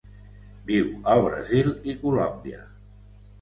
Viu al Brasil i Colòmbia.